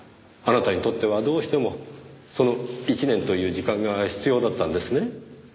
あなたにとってはどうしてもその１年という時間が必要だったんですね。